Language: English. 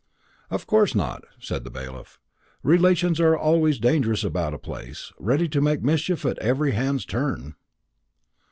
"Of course not," said the bailiff. "Relations are always dangerous about a place ready to make mischief at every hand's turn."